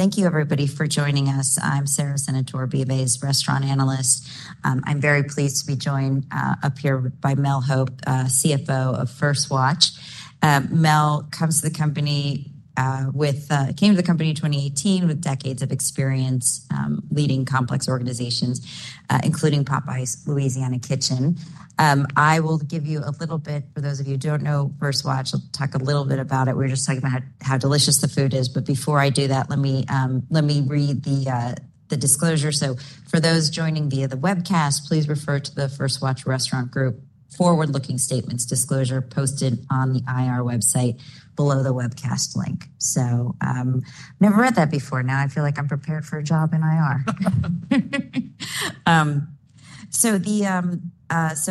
Thank you, everybody, for joining us. I'm Sara Senatore, BofA's restaurant analyst. I'm very pleased to be joined up here by Mel Hope, CFO of First Watch. Mel came to the company in 2018 with decades of experience leading complex organizations, including Popeyes Louisiana Kitchen. I will give you a little bit for those of you who don't know First Watch. I'll talk a little bit about it. We were just talking about how delicious the food is. But before I do that, let me read the disclosure. So for those joining via the webcast, please refer to the First Watch Restaurant Group forward-looking statements disclosure posted on the IR website below the webcast link. So never read that before. Now I feel like I'm prepared for a job in IR. So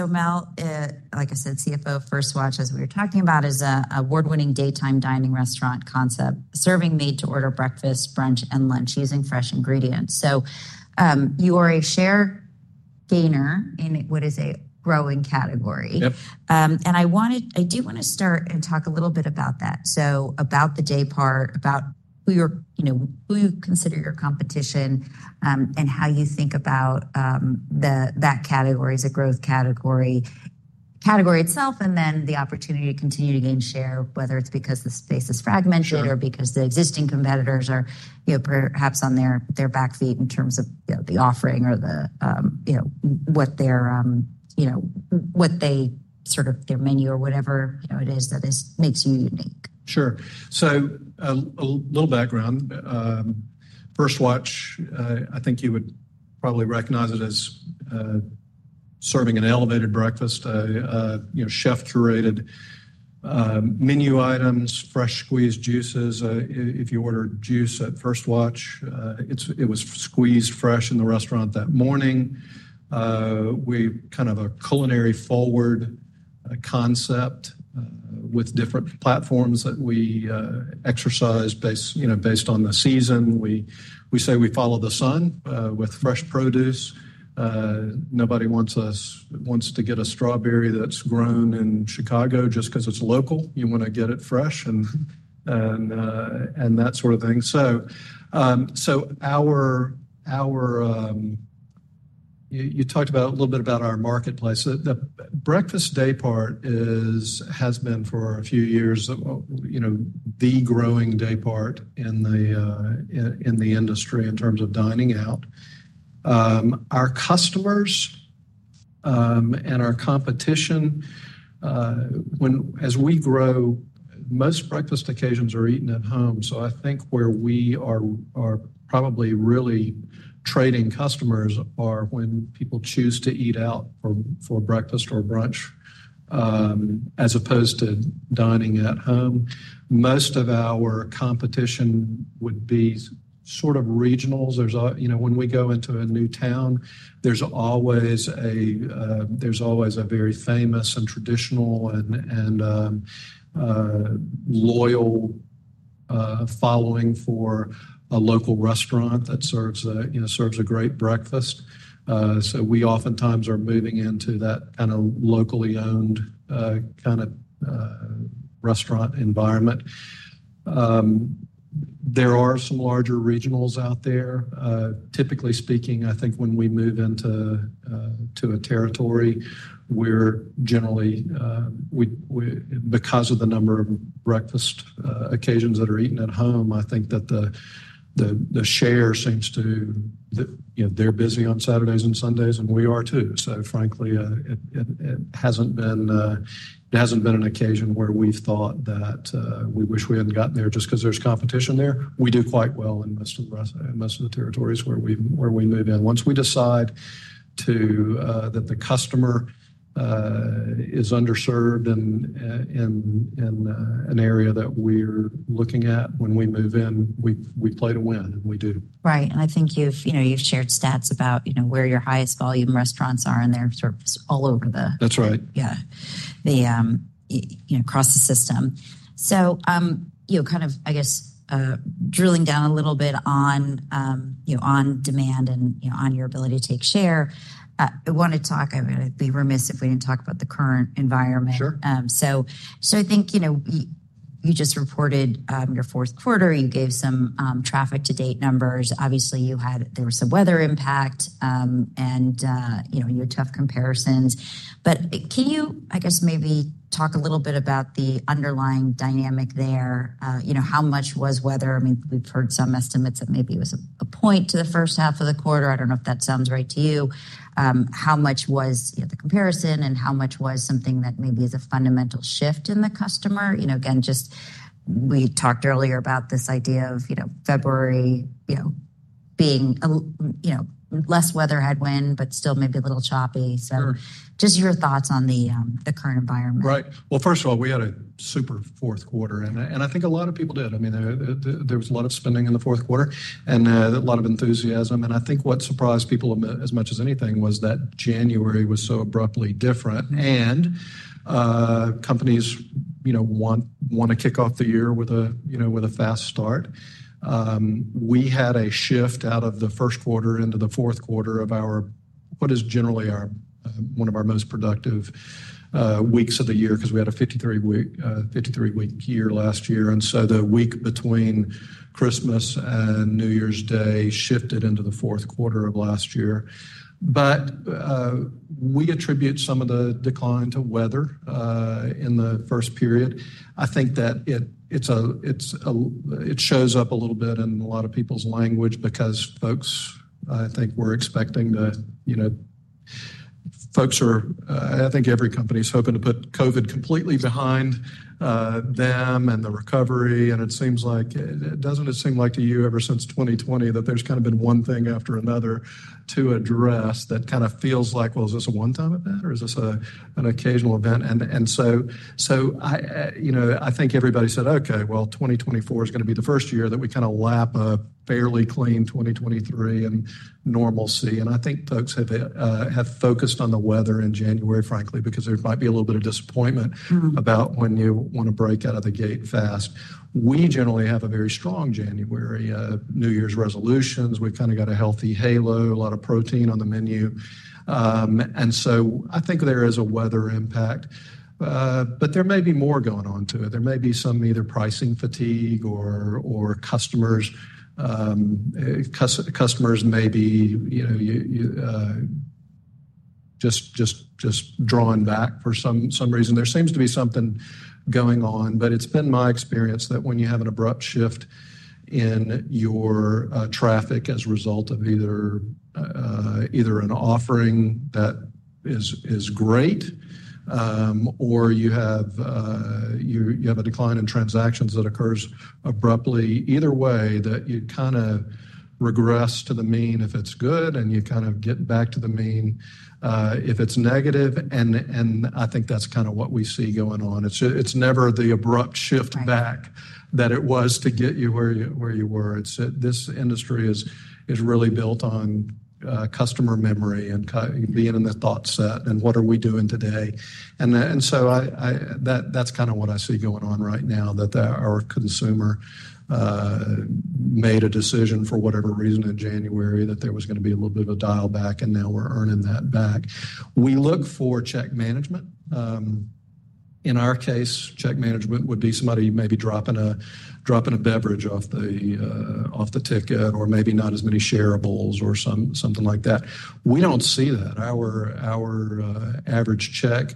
Mel, like I said, CFO of First Watch, as we were talking about, is an award-winning daytime dining restaurant concept serving made-to-order breakfast, brunch, and lunch using fresh ingredients. So you are a share gainer in what is a growing category. And I do want to start and talk a little bit about that, so about the daypart, about who you consider your competition, and how you think about that category as a growth category itself, and then the opportunity to continue to gain share, whether it's because the space is fragmented or because the existing competitors are perhaps on their back feet in terms of the offering or what they're sort of their menu or whatever it is that makes you unique. Sure. So a little background. First Watch, I think you would probably recognize it as serving an elevated breakfast, chef-curated menu items, fresh squeezed juices. If you order juice at First Watch, it was squeezed fresh in the restaurant that morning. We're kind of a culinary forward concept with different platforms that we exercise based on the season. We say we follow the sun with fresh produce. Nobody wants to get a strawberry that's grown in Chicago just because it's local. You want to get it fresh and that sort of thing. So you talked a little bit about our marketplace. The breakfast daypart has been for a few years the growing daypart in the industry in terms of dining out. Our customers and our competition, as we grow, most breakfast occasions are eaten at home. So I think where we are probably really trading customers are when people choose to eat out for breakfast or brunch as opposed to dining at home. Most of our competition would be sort of regionals. When we go into a new town, there's always a very famous and traditional and loyal following for a local restaurant that serves a great breakfast. So we oftentimes are moving into that kind of locally owned kind of restaurant environment. There are some larger regionals out there. Typically speaking, I think when we move into a territory, because of the number of breakfast occasions that are eaten at home, I think that the share seems to they're busy on Saturdays and Sundays, and we are too. So frankly, it hasn't been an occasion where we've thought that we wish we hadn't gotten there just because there's competition there. We do quite well in most of the territories where we move in. Once we decide that the customer is underserved in an area that we're looking at when we move in, we play to win, and we do. Right. I think you've shared stats about where your highest volume restaurants are, and they're sort of all over, across the system. So kind of, I guess, drilling down a little bit on demand and on your ability to take share, I want to talk. I would be remiss if we didn't talk about the current environment. I think you just reported your fourth quarter. You gave some traffic-to-date numbers. Obviously, there was some weather impact and your tough comparisons. But can you, I guess, maybe talk a little bit about the underlying dynamic there? How much was weather? I mean, we've heard some estimates that maybe it was a point to the first half of the quarter. I don't know if that sounds right to you. How much was the comparison and how much was something that maybe is a fundamental shift in the customer? Again, just we talked earlier about this idea of February being less weather headwind but still maybe a little choppy. So just your thoughts on the current environment. Right. Well, first of all, we had a super fourth quarter, and I think a lot of people did. I mean, there was a lot of spending in the fourth quarter and a lot of enthusiasm. And I think what surprised people as much as anything was that January was so abruptly different. And companies want to kick off the year with a fast start. We had a shift out of the first quarter into the fourth quarter of what is generally one of our most productive weeks of the year because we had a 53-week year last year. And so the week between Christmas and New Year's Day shifted into the fourth quarter of last year. But we attribute some of the decline to weather in the first period. I think that it shows up a little bit in a lot of people's language because folks are, I think, every company is hoping to put COVID completely behind them and the recovery. And it seems like, doesn't it seem like to you, ever since 2020 that there's kind of been one thing after another to address that kind of feels like, "Well, is this a one-time event, or is this an occasional event?" And so I think everybody said, "Okay. Well, 2024 is going to be the first year that we kind of lap a fairly clean 2023 and normalcy." And I think folks have focused on the weather in January, frankly, because there might be a little bit of disappointment about when you want to break out of the gate fast. We generally have a very strong January, New Year's resolutions. We've kind of got a healthy halo, a lot of protein on the menu. And so I think there is a weather impact. But there may be more going on to it. There may be some either pricing fatigue or customers may be just drawn back for some reason. There seems to be something going on. But it's been my experience that when you have an abrupt shift in your traffic as a result of either an offering that is great or you have a decline in transactions that occurs abruptly, either way, that you kind of regress to the mean if it's good, and you kind of get back to the mean if it's negative. And I think that's kind of what we see going on. It's never the abrupt shift back that it was to get you where you were. This industry is really built on customer memory and being in the thought set and what are we doing today. And so that's kind of what I see going on right now, that our consumer made a decision for whatever reason in January that there was going to be a little bit of a dial back, and now we're earning that back. We look for check management. In our case, check management would be somebody maybe dropping a beverage off the ticket or maybe not as many shareables or something like that. We don't see that. Our average check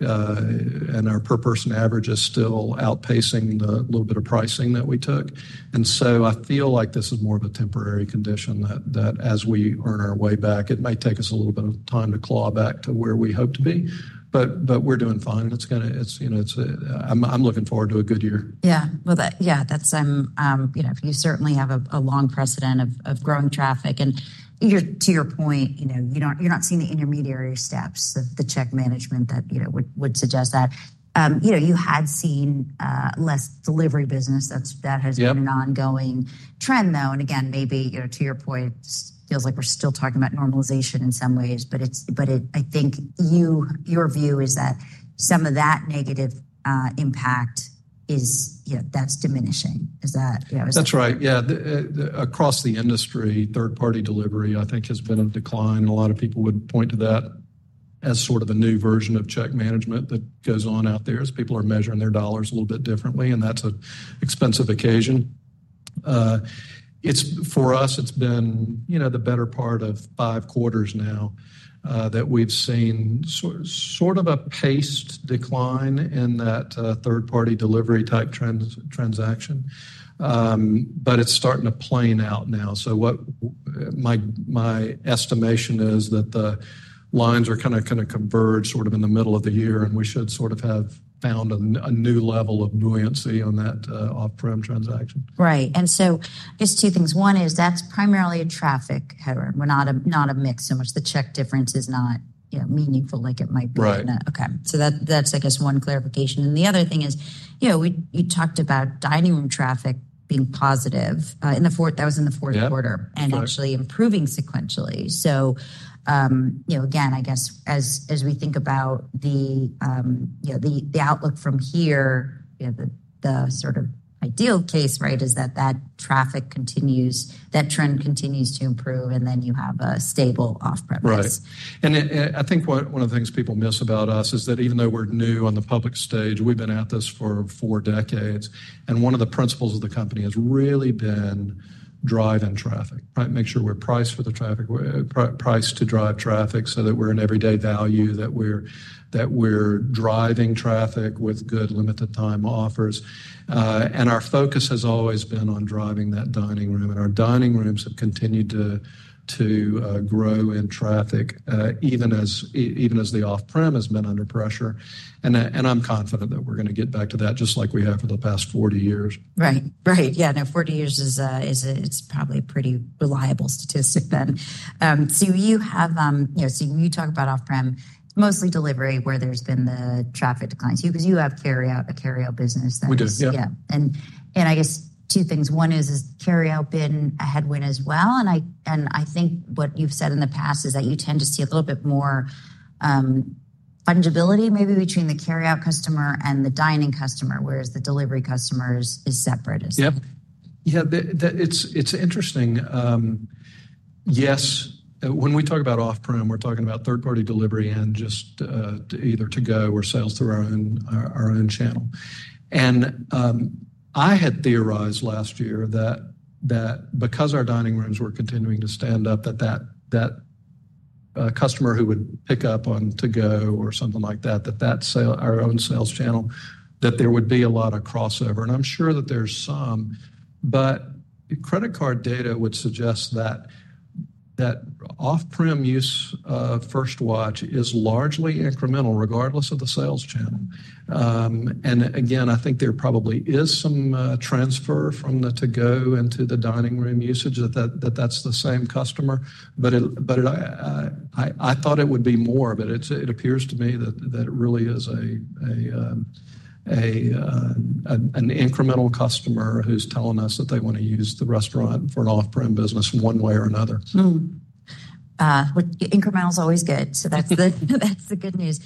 and our per-person average is still outpacing the little bit of pricing that we took. And so I feel like this is more of a temporary condition, that as we earn our way back, it might take us a little bit of time to claw back to where we hope to be. But we're doing fine, and I'm looking forward to a good year. Yeah. You certainly have a long precedent of growing traffic. And to your point, you're not seeing the intermediary steps, the check management that would suggest that. You had seen less delivery business. That has been an ongoing trend, though. And again, maybe to your point, it just feels like we're still talking about normalization in some ways. But I think your view is that some of that negative impact, that's diminishing. Is that? That's right. Yeah. Across the industry, third-party delivery, I think, has been in decline. And a lot of people would point to that as sort of a new version of check management that goes on out there as people are measuring their dollars a little bit differently. And that's an expensive occasion. For us, it's been the better part of five quarters now that we've seen sort of a paced decline in that third-party delivery-type transaction. But it's starting to plane out now. So my estimation is that the lines are kind of going to converge sort of in the middle of the year, and we should sort of have found a new level of buoyancy on that off-prem transaction. Right. And so I guess two things. One is that's primarily a traffic headwind, not a mix so much. The check difference is not meaningful like it might be in the okay. So that's, I guess, one clarification. And the other thing is you talked about dining room traffic being positive in the fourth that was in the fourth quarter and actually improving sequentially. So again, I guess as we think about the outlook from here, the sort of ideal case, right, is that that trend continues to improve, and then you have a stable off-prem price. Right. And I think one of the things people miss about us is that even though we're new on the public stage, we've been at this for four decades. And one of the principles of the company has really been driving traffic, right? Make sure we're priced to drive traffic so that we're in everyday value, that we're driving traffic with good limited-time offers. And our focus has always been on driving that dining room. And our dining rooms have continued to grow in traffic even as the off-prem has been under pressure. And I'm confident that we're going to get back to that just like we have for the past 40 years. Right. Yeah. No, 40 years is probably a pretty reliable statistic then. So you talk about off-prem, mostly delivery, where there's been the traffic declines because you have a carry-out business that. We do. Yeah. Yeah. And I guess two things. One is has carry-out been a headwind as well? And I think what you've said in the past is that you tend to see a little bit more fungibility maybe between the carry-out customer and the dining customer, whereas the delivery customer is separate. Yeah. It's interesting. Yes. When we talk about off-prem, we're talking about third-party delivery and just either to-go or sales through our own channel. And I had theorized last year that because our dining rooms were continuing to stand up, that that customer who would pick up on to-go or something like that, that our own sales channel, that there would be a lot of crossover. And I'm sure that there's some. But credit card data would suggest that off-prem use of First Watch is largely incremental regardless of the sales channel. And again, I think there probably is some transfer from the to-go into the dining room usage, that's the same customer. But I thought it would be more. But it appears to me that it really is an incremental customer who's telling us that they want to use the restaurant for an off-prem business one way or another. Incremental's always good. So that's the good news.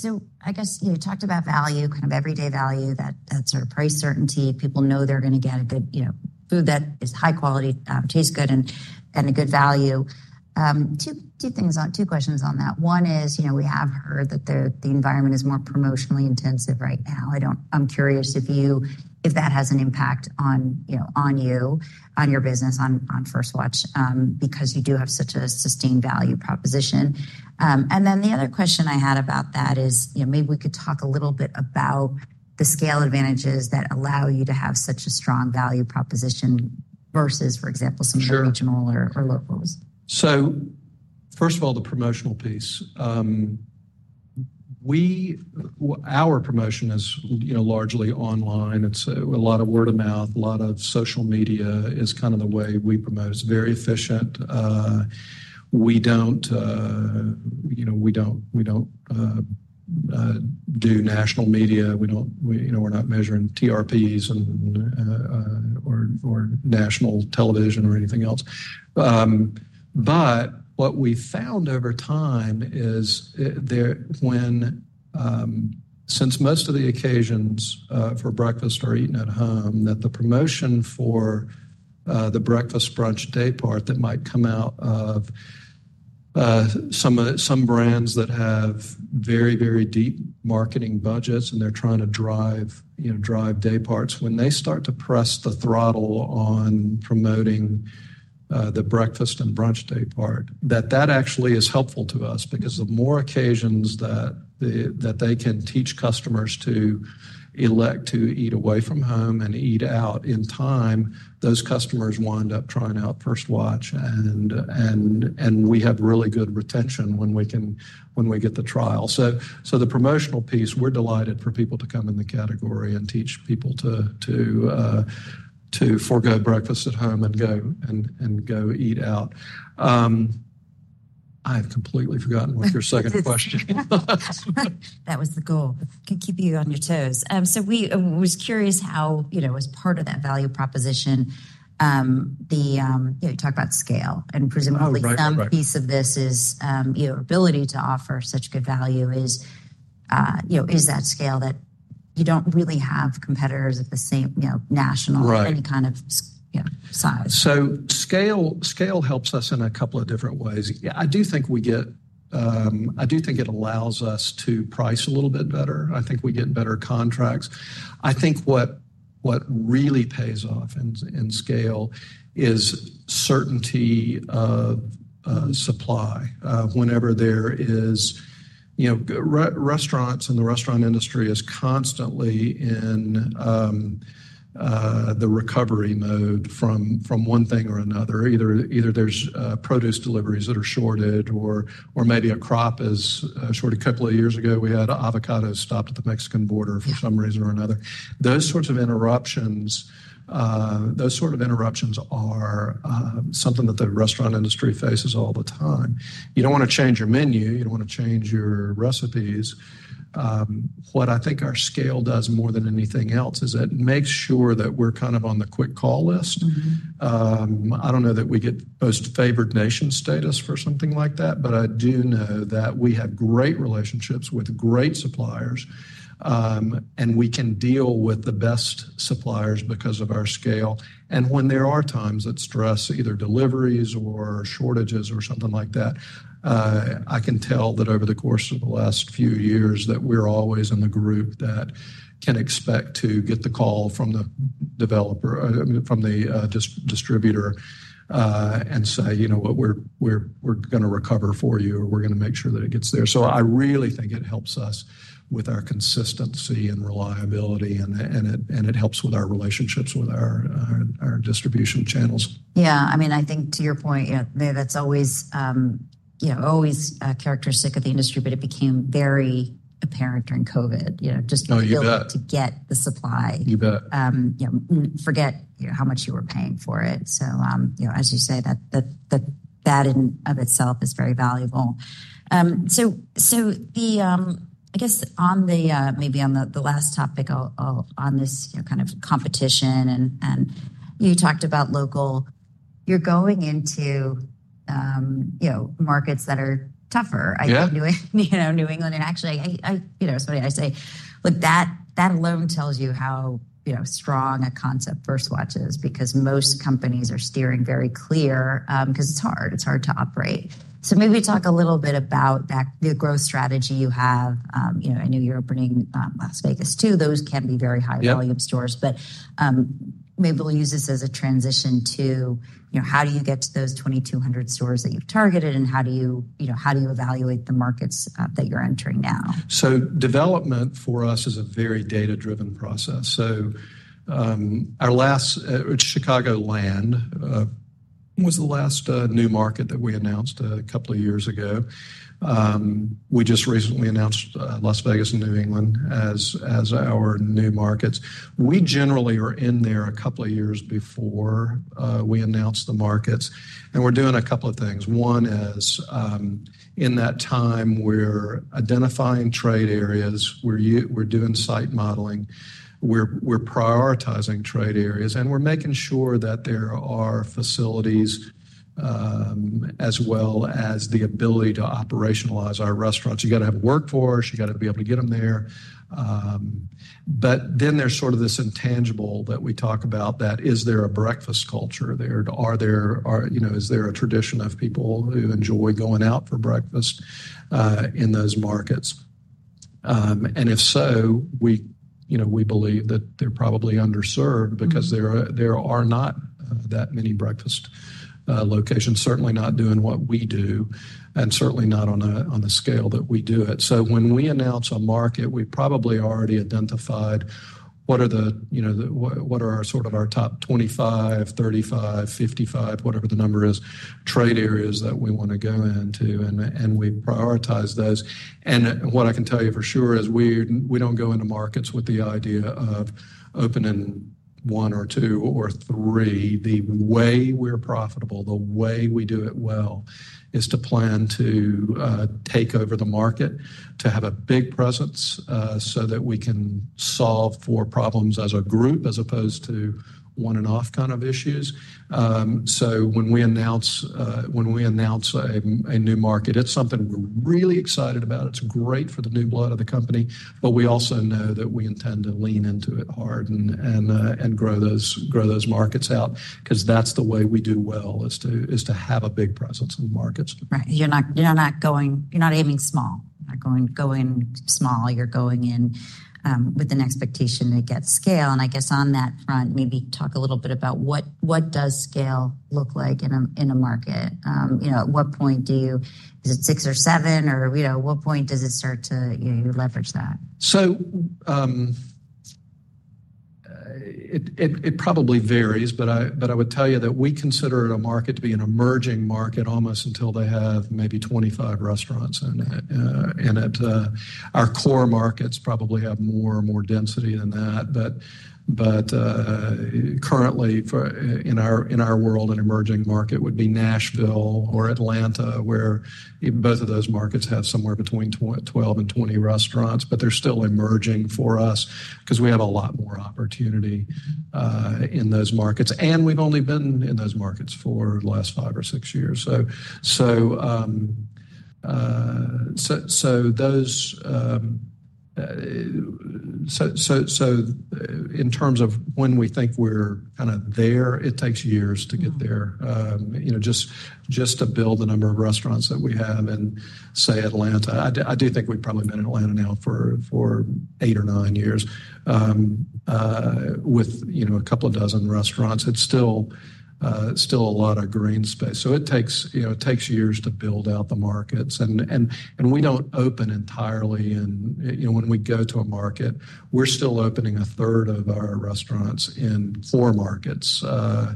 So I guess you talked about value, kind of everyday value, that sort of price certainty. People know they're going to get good food that is high quality, tastes good, and a good value. Two questions on that. One is we have heard that the environment is more promotionally intensive right now. I'm curious if that has an impact on you, on your business, on First Watch because you do have such a sustained value proposition. And then the other question I had about that is maybe we could talk a little bit about the scale advantages that allow you to have such a strong value proposition versus, for example, some regional or locals. Sure. So first of all, the promotional piece. Our promotion is largely online. It's a lot of word of mouth. A lot of social media is kind of the way we promote. It's very efficient. We don't do national media. We're not measuring TRPs or national television or anything else. But what we found over time is since most of the occasions for breakfast are eaten at home, that the promotion for the breakfast brunch daypart that might come out of some brands that have very, very deep marketing budgets, and they're trying to drive dayparts, when they start to press the throttle on promoting the breakfast and brunch daypart, that actually is helpful to us because the more occasions that they can teach customers to elect to eat away from home and eat out in time, those customers wind up trying out First Watch. We have really good retention when we get the trial. The promotional piece, we're delighted for people to come in the category and teach people to forgo breakfast at home and go eat out. I have completely forgotten what your second question is. That was the goal. Can keep you on your toes. So I was curious how, as part of that value proposition, you talk about scale. And presumably the piece of this is your ability to offer such good value. Is that scale that you don't really have competitors of the same national, any kind of size? So scale helps us in a couple of different ways. I do think it allows us to price a little bit better. I think we get better contracts. I think what really pays off in scale is certainty of supply whenever there is restaurants, and the restaurant industry is constantly in the recovery mode from one thing or another. Either there's produce deliveries that are shorted or maybe a crop is shorted. A couple of years ago, we had avocados stopped at the Mexican border for some reason or another. Those sorts of interruptions are something that the restaurant industry faces all the time. You don't want to change your menu. You don't want to change your recipes. What I think our scale does more than anything else is it makes sure that we're kind of on the quick call list. I don't know that we get most-favored nation status for something like that, but I do know that we have great relationships with great suppliers, and we can deal with the best suppliers because of our scale. And when there are times that stress either deliveries or shortages or something like that, I can tell that over the course of the last few years that we're always in the group that can expect to get the call from the developer, from the distributor, and say, "We're going to recover for you." or "We're going to make sure that it gets there." So I really think it helps us with our consistency and reliability, and it helps with our relationships with our distribution channels. Yeah. I mean, I think to your point, that's always a characteristic of the industry, but it became very apparent during COVID, just being able to get the supply. You bet. Forget how much you were paying for it. So as you say, that in and of itself is very valuable. So I guess maybe on the last topic on this kind of competition, and you talked about local, you're going into markets that are tougher. I think New England and actually, it's funny I say, "Look, that alone tells you how strong a concept First Watch is because most companies are steering very clear because it's hard. It's hard to operate." So maybe talk a little bit about the growth strategy you have. I know you're opening Las Vegas too. Those can be very high-volume stores. But maybe we'll use this as a transition to how do you get to those 2,200 stores that you've targeted, and how do you evaluate the markets that you're entering now? So development for us is a very data-driven process. So Chicagoland was the last new market that we announced a couple of years ago. We just recently announced Las Vegas and New England as our new markets. We generally are in there a couple of years before we announce the markets. And we're doing a couple of things. One is in that time, we're identifying trade areas. We're doing site modeling. We're prioritizing trade areas. And we're making sure that there are facilities as well as the ability to operationalize our restaurants. You got to have workforce. You got to be able to get them there. But then there's sort of this intangible that we talk about that, "Is there a breakfast culture there? Is there a tradition of people who enjoy going out for breakfast in those markets?" And if so, we believe that they're probably underserved because there are not that many breakfast locations, certainly not doing what we do, and certainly not on the scale that we do it. So when we announce a market, we probably already identified what are sort of our top 25, 35, 55, whatever the number is, trade areas that we want to go into, and we prioritize those. And what I can tell you for sure is we don't go into markets with the idea of opening one or two or three. The way we're profitable, the way we do it well, is to plan to take over the market, to have a big presence so that we can solve four problems as a group as opposed to one-off kind of issues. When we announce a new market, it's something we're really excited about. It's great for the new blood of the company, but we also know that we intend to lean into it hard and grow those markets out because that's the way we do well, is to have a big presence in the markets. Right. You're not aiming small. You're not going small. You're going in with an expectation to get scale. I guess on that front, maybe talk a little bit about what does scale look like in a market? At what point do you is it six or seven? Or at what point does it start to you leverage that? So it probably varies, but I would tell you that we consider a market to be an emerging market almost until they have maybe 25 restaurants in it. Our core markets probably have more density than that. Currently, in our world, an emerging market would be Nashville or Atlanta, where both of those markets have somewhere between 12 and 20 restaurants. They're still emerging for us because we have a lot more opportunity in those markets. We've only been in those markets for the last five or six years. So in terms of when we think we're kind of there, it takes years to get there just to build the number of restaurants that we have. Say, Atlanta, I do think we've probably been in Atlanta now for eight or nine years with a couple of dozen restaurants. It's still a lot of green space. It takes years to build out the markets. We don't open entirely. When we go to a market, we're still opening a third of our restaurants in four markets and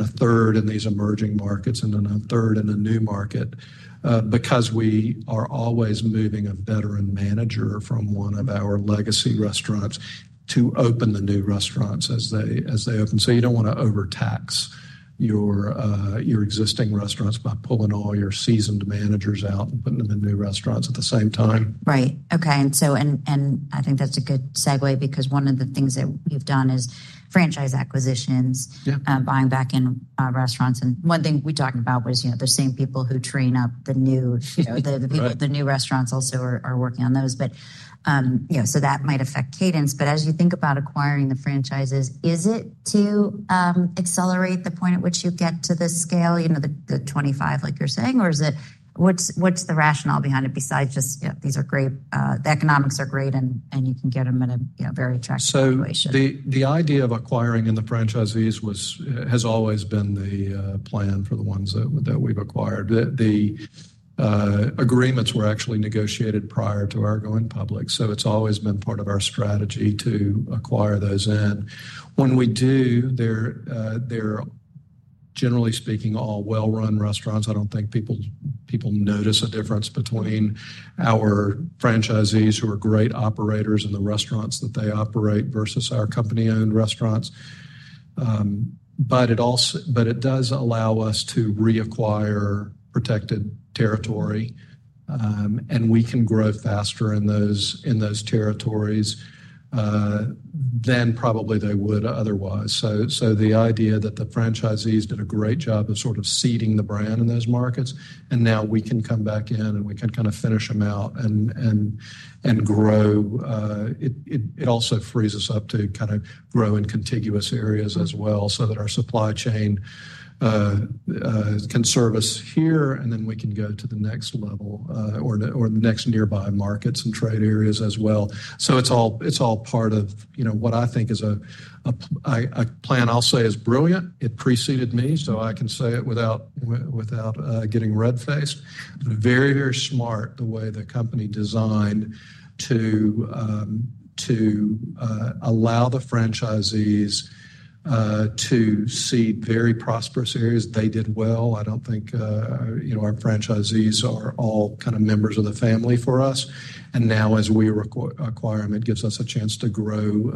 a third in these emerging markets and then a third in a new market because we are always moving a veteran manager from one of our legacy restaurants to open the new restaurants as they open. You don't want to overtax your existing restaurants by pulling all your seasoned managers out and putting them in new restaurants at the same time. Right. Okay. And I think that's a good segue because one of the things that we've done is franchise acquisitions, buying back in restaurants. And one thing we talked about was the same people who train up the new restaurants also are working on those. So that might affect cadence. But as you think about acquiring the franchises, is it to accelerate the point at which you get to this scale, the 25 like you're saying? Or what's the rationale behind it besides just these are great the economics are great, and you can get them in a very attractive situation? So the idea of acquiring in the franchisees has always been the plan for the ones that we've acquired. The agreements were actually negotiated prior to our going public. So it's always been part of our strategy to acquire those in. When we do, they're generally speaking all well-run restaurants. I don't think people notice a difference between our franchisees who are great operators and the restaurants that they operate versus our company-owned restaurants. But it does allow us to reacquire protected territory, and we can grow faster in those territories than probably they would otherwise. So the idea that the franchisees did a great job of sort of seeding the brand in those markets, and now we can come back in, and we can kind of finish them out and grow. It also frees us up to kind of grow in contiguous areas as well so that our supply chain can service here, and then we can go to the next level or the next nearby markets and trade areas as well. So it's all part of what I think is a plan I'll say is brilliant. It preceded me, so I can say it without getting red-faced. Very, very smart the way the company designed to allow the franchisees to seed very prosperous areas. They did well. I don't think our franchisees are all kind of members of the family for us. And now, as we acquire them, it gives us a chance to grow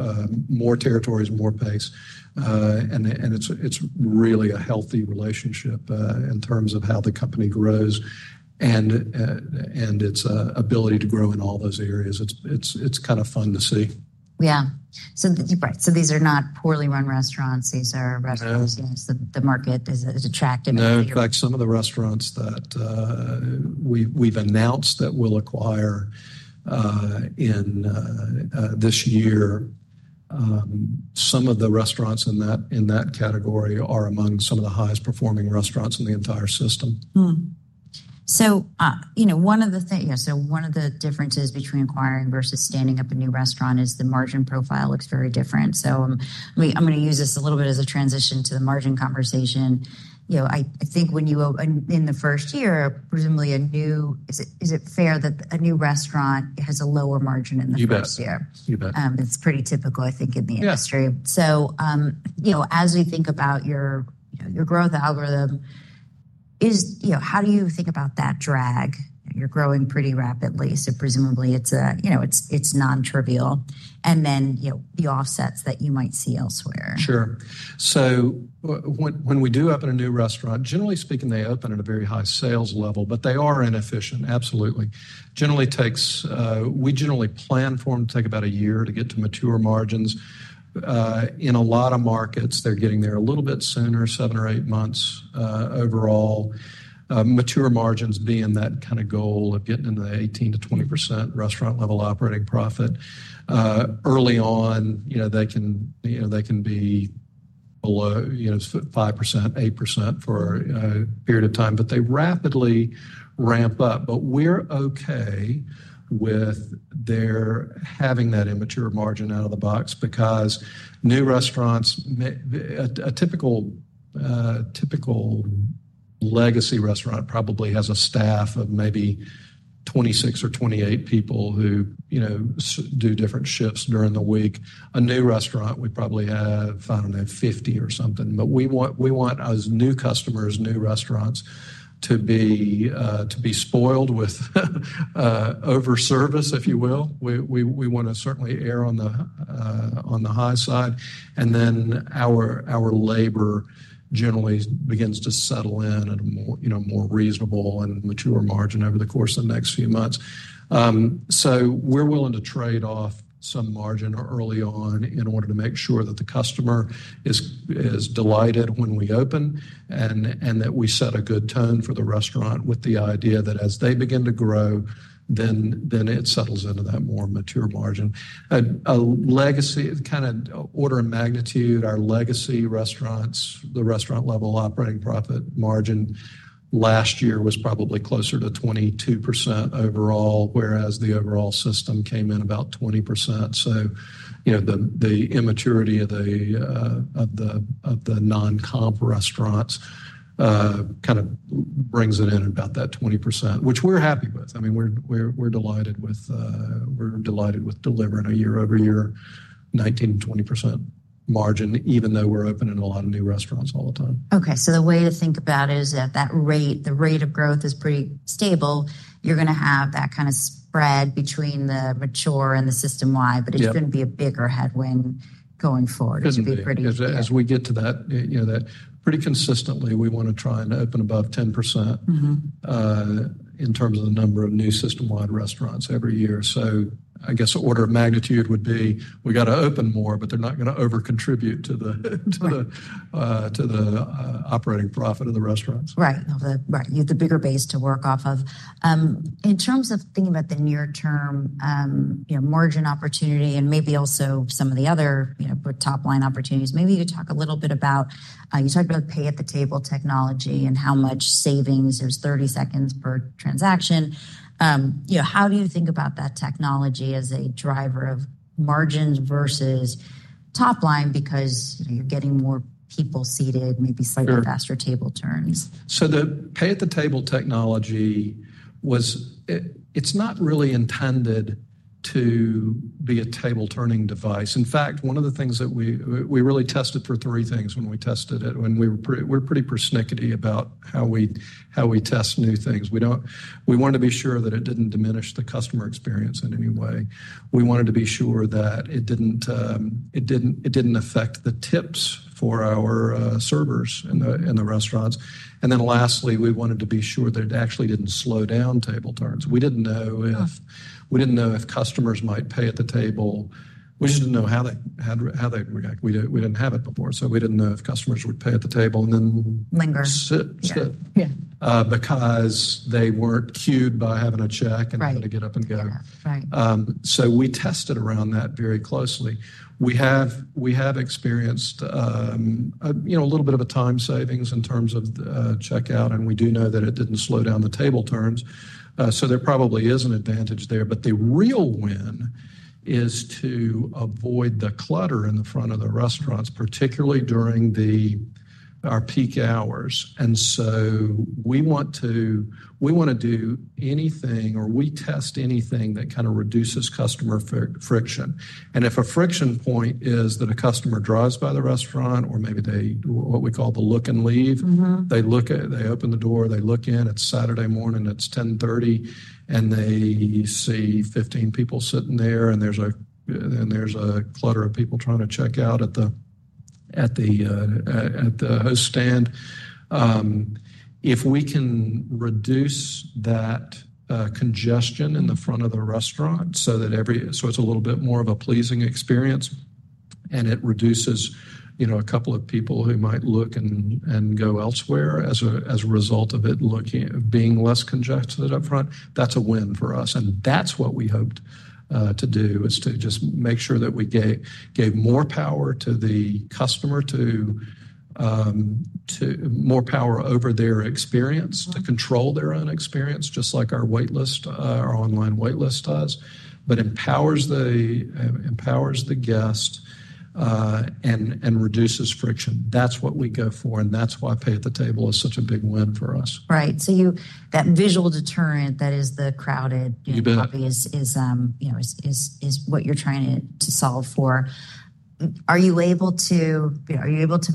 more territories, more pace. And it's really a healthy relationship in terms of how the company grows and its ability to grow in all those areas. It's kind of fun to see. Yeah. Right. So these are not poorly run restaurants. These are restaurants the market is attractive in. No. In fact, some of the restaurants that we've announced that we'll acquire in this year, some of the restaurants in that category are among some of the highest performing restaurants in the entire system. So one of the things, yeah. So one of the differences between acquiring versus standing up a new restaurant is the margin profile looks very different. So I'm going to use this a little bit as a transition to the margin conversation. I think when you open in the first year, presumably a new is it fair that a new restaurant has a lower margin in the first year? You bet. You bet. It's pretty typical, I think, in the industry. As we think about your growth algorithm, how do you think about that drag? You're growing pretty rapidly. Presumably, it's non-trivial. Then the offsets that you might see elsewhere. Sure. So when we do open a new restaurant, generally speaking, they open at a very high sales level, but they are inefficient, absolutely. We generally plan for them to take about a year to get to mature margins. In a lot of markets, they're getting there a little bit sooner, seven or eight months overall. Mature margins being that kind of goal of getting into the 18%-20% restaurant-level operating profit. Early on, they can be below 5%, 8% for a period of time, but they rapidly ramp up. But we're okay with them having that immature margin out of the box because new restaurants a typical legacy restaurant probably has a staff of maybe 26 or 28 people who do different shifts during the week. A new restaurant, we probably have, I don't know, 50 or something. But we want those new customers, new restaurants to be spoiled with overservice, if you will. We want to certainly err on the high side. And then our labor generally begins to settle in at a more reasonable and mature margin over the course of the next few months. So we're willing to trade-off some margin early on in order to make sure that the customer is delighted when we open and that we set a good tone for the restaurant with the idea that as they begin to grow, then it settles into that more mature margin. Kind of order of magnitude, our legacy restaurants, the restaurant-level operating profit margin last year was probably closer to 22% overall, whereas the overall system came in about 20%. So the immaturity of the non-comp restaurants kind of brings it in at about that 20%, which we're happy with. I mean, we're delighted with delivering a year-over-year 19%-20% margin, even though we're opening a lot of new restaurants all the time. Okay. So the way to think about it is that the rate of growth is pretty stable. You're going to have that kind of spread between the mature and the system-wide, but it's going to be a bigger headwind going forward. It's going to be pretty. As we get to that, pretty consistently, we want to try and open above 10% in terms of the number of new system-wide restaurants every year. So I guess order of magnitude would be we got to open more, but they're not going to overcontribute to the operating profit of the restaurants. Right. You have the bigger base to work off of. In terms of thinking about the near-term margin opportunity and maybe also some of the other top-line opportunities, maybe you could talk a little bit about you talked about pay-at-the-table technology and how much savings there's 30 seconds per transaction. How do you think about that technology as a driver of margins versus top-line because you're getting more people seated, maybe slightly faster table turns? So the pay-at-the-table technology, it's not really intended to be a table-turning device. In fact, one of the things that we really tested for three things when we tested it. We're pretty persnickety about how we test new things. We wanted to be sure that it didn't diminish the customer experience in any way. We wanted to be sure that it didn't affect the tips for our servers in the restaurants. And then lastly, we wanted to be sure that it actually didn't slow down table turns. We didn't know if customers might pay at the table. We just didn't know how they react. We didn't have it before, so we didn't know if customers would pay at the table and then. Linger. Sit because they weren't queued by having a check and having to get up and go. So we tested around that very closely. We have experienced a little bit of a time savings in terms of checkout, and we do know that it didn't slow down the table turns. So there probably is an advantage there. But the real win is to avoid the clutter in the front of the restaurants, particularly during our peak hours. And so we want to do anything or we test anything that kind of reduces customer friction. And if a friction point is that a customer drives by the restaurant or maybe what we call the look-and-leave, they open the door, they look in. It's Saturday morning. It's 10:30 A.M., and they see 15 people sitting there, and there's a clutter of people trying to check out at the host stand. If we can reduce that congestion in the front of the restaurant so that it's a little bit more of a pleasing experience, and it reduces a couple of people who might look and go elsewhere as a result of it being less congested upfront, that's a win for us. That's what we hoped to do, is to just make sure that we gave more power to the customer over their experience, to control their own experience just like our online waitlist does, but empowers the guest and reduces friction. That's what we go for, and that's why pay-at-the-table is such a big win for us. Right. So that visual deterrent that is the crowded copy is what you're trying to solve for. Are you able to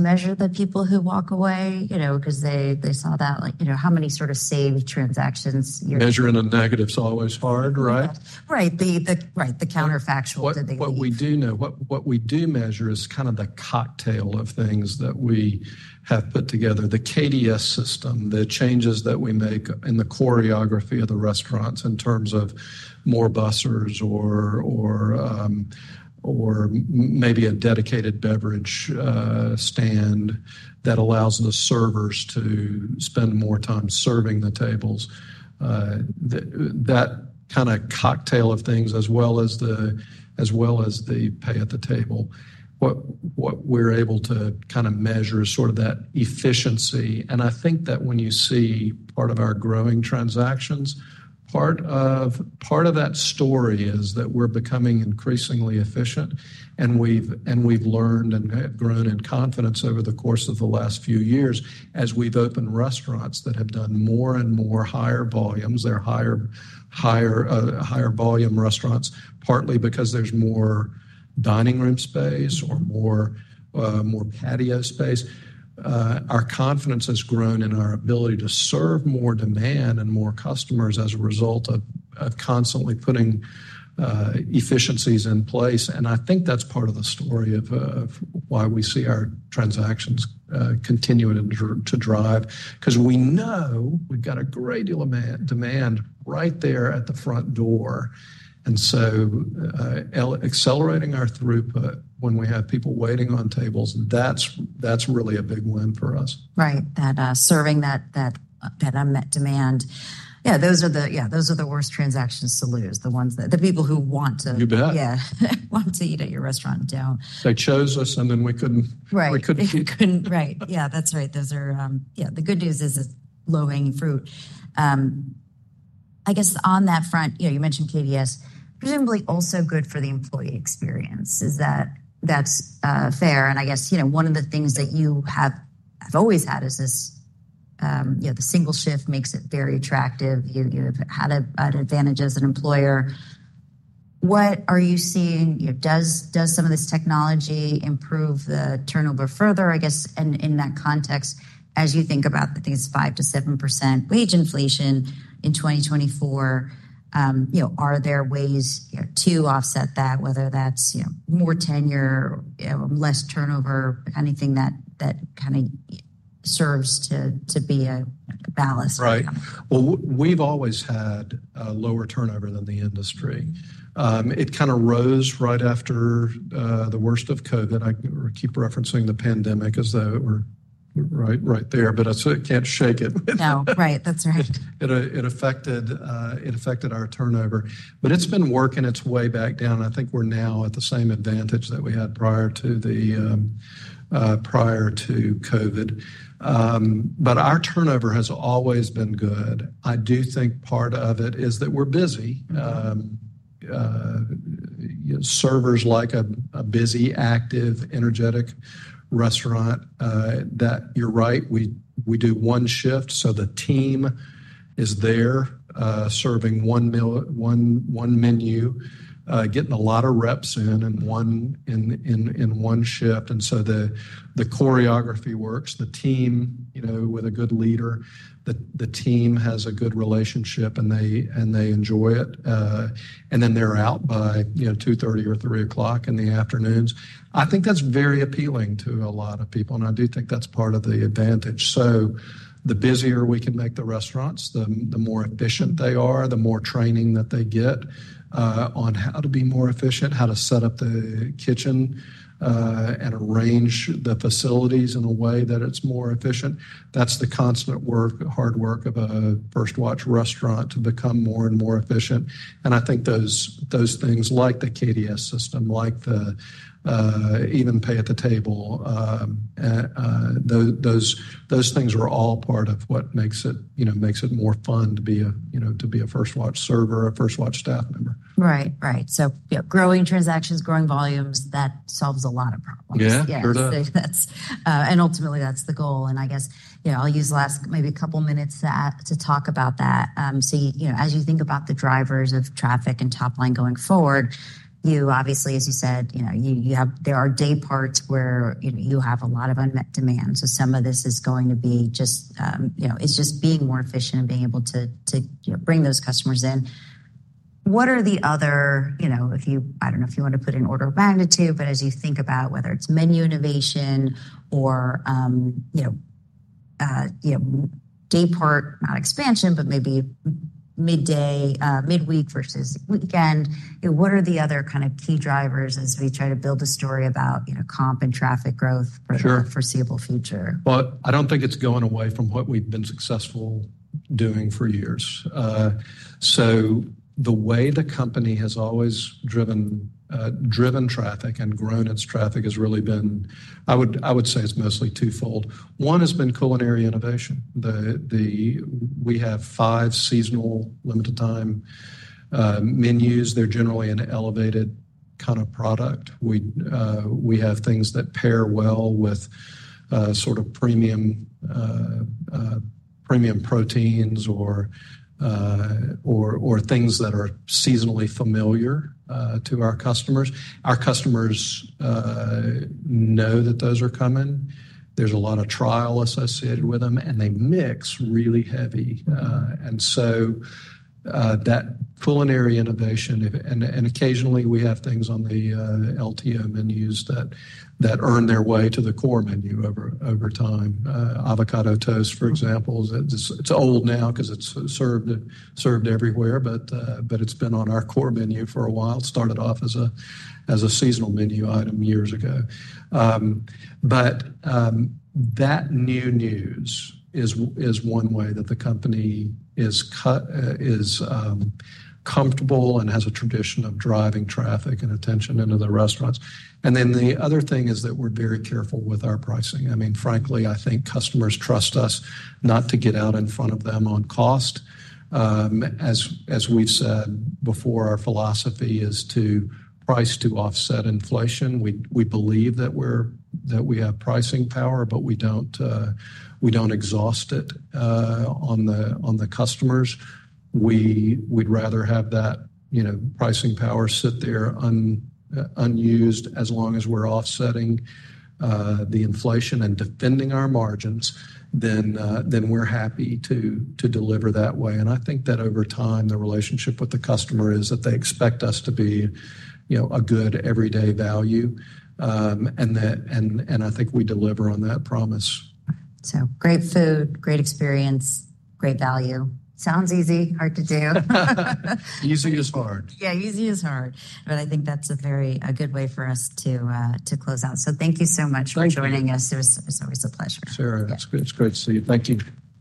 measure the people who walk away because they saw that? How many sort of saved transactions? Measuring a negative is always hard, right? Right. Right. The counterfactual that they do. What we do know, what we do measure is kind of the cocktail of things that we have put together, the KDS system, the changes that we make in the choreography of the restaurants in terms of more bussers or maybe a dedicated beverage stand that allows the servers to spend more time serving the tables. That kind of cocktail of things as well as the pay-at-the-table. What we're able to kind of measure is sort of that efficiency. And I think that when you see part of our growing transactions, part of that story is that we're becoming increasingly efficient, and we've learned and grown in confidence over the course of the last few years as we've opened restaurants that have done more and more higher volumes. They're higher-volume restaurants partly because there's more dining room space or more patio space. Our confidence has grown in our ability to serve more demand and more customers as a result of constantly putting efficiencies in place. And I think that's part of the story of why we see our transactions continue to drive because we know we've got a great deal of demand right there at the front door. And so accelerating our throughput when we have people waiting on tables, that's really a big win for us. Right. Serving that unmet demand. Yeah. Those are the worst transactions to lose, the people who want to. You bet. Yeah. Want to eat at your restaurant. They chose us, and then we couldn't. Right. Yeah. That's right. Yeah. The good news is it's low-hanging fruit. I guess on that front, you mentioned KDS, presumably also good for the employee experience. Is that fair? And I guess one of the things that you have always had is the single shift makes it very attractive. You've had an advantage as an employer. What are you seeing? Does some of this technology improve the turnover further, I guess, in that context as you think about the 5%-7% wage inflation in 2024? Are there ways to offset that, whether that's more tenure, less turnover, anything that kind of serves to be a balance? Right. Well, we've always had lower turnover than the industry. It kind of rose right after the worst of COVID. I keep referencing the pandemic as though it were right there, but I can't shake it. No. Right. That's right. It affected our turnover, but it's been working its way back down. I think we're now at the same advantage that we had prior to COVID. But our turnover has always been good. I do think part of it is that we're busy. Servers like a busy, active, energetic restaurant. You're right. We do one shift, so the team is there serving one menu, getting a lot of reps in in one shift. And so the choreography works. The team with a good leader, the team has a good relationship, and they enjoy it. And then they're out by 2:30 P.M. or 3:00 P.M. in the afternoons. I think that's very appealing to a lot of people, and I do think that's part of the advantage. So the busier we can make the restaurants, the more efficient they are, the more training that they get on how to be more efficient, how to set up the kitchen and arrange the facilities in a way that it's more efficient. That's the constant work, hard work of a First Watch restaurant to become more and more efficient. And I think those things like the KDS system, like even Pay-at-the-table, those things are all part of what makes it more fun to be a First Watch server, a First Watch staff member. Right. Right. So growing transactions, growing volumes, that solves a lot of problems. Yeah. True enough. Ultimately, that's the goal. I guess I'll use the last maybe couple of minutes to talk about that. As you think about the drivers of traffic and top-line going forward, you obviously, as you said, there are dayparts where you have a lot of unmet demand. Some of this is going to be just it's just being more efficient and being able to bring those customers in. What are the other if you I don't know if you want to put in order of magnitude, but as you think about whether it's menu innovation or daypart, not expansion, but maybe midweek versus weekend, what are the other kind of key drivers as we try to build a story about comp and traffic growth for the foreseeable future? Well, I don't think it's going away from what we've been successful doing for years. So the way the company has always driven traffic and grown its traffic has really been, I would say, mostly twofold. One has been culinary innovation. We have five seasonal, limited-time menus. They're generally an elevated kind of product. We have things that pair well with sort of premium proteins or things that are seasonally familiar to our customers. Our customers know that those are coming. There's a lot of trial associated with them, and they mix really heavy. And so that culinary innovation and occasionally, we have things on the LTO menus that earn their way to the core menu over time. Avocado toast, for example, it's old now because it's served everywhere, but it's been on our core menu for a while. It started off as a seasonal menu item years ago. But that new news is one way that the company is comfortable and has a tradition of driving traffic and attention into the restaurants. And then the other thing is that we're very careful with our pricing. I mean, frankly, I think customers trust us not to get out in front of them on cost. As we've said before, our philosophy is to price to offset inflation. We believe that we have pricing power, but we don't exhaust it on the customers. We'd rather have that pricing power sit there unused as long as we're offsetting the inflation and defending our margins than we're happy to deliver that way. And I think that over time, the relationship with the customer is that they expect us to be a good everyday value, and I think we deliver on that promise. So great food, great experience, great value. Sounds easy, hard to do. Easy is hard. Yeah. Easy is hard. But I think that's a good way for us to close out. So thank you so much for joining us. It's always a pleasure. Sure. It's great to see you. Thank you.